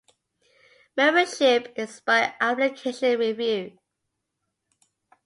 Membership is by application review.